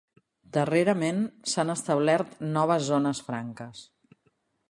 Darrerament s'han establert noves zones franques.